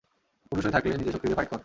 পুরুষ হয়ে থাকলে নিজের শক্তি দিয়ে ফাইট কর!